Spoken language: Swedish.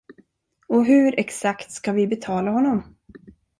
Och hur exakt ska vi betala honom?